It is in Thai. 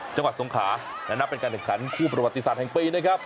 สงขาและนับเป็นการแข่งขันคู่ประวัติศาสตร์แห่งปีนะครับ